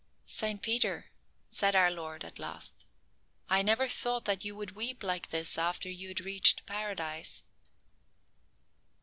"Saint Peter," said our Lord at last, "I never thought that you would weep like this after you had reached Paradise."